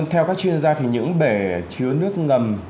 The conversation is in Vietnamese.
theo các chuyên gia thì những bể chứa nước ngầm